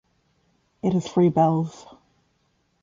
It has three bells.